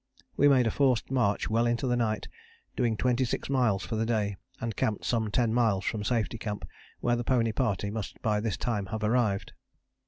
We made a forced march well into the night, doing twenty six miles for the day, and camped some ten miles from Safety Camp, where the pony party must by this time have arrived.